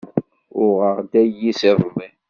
Uɣeɣ-d ayis iḍelli.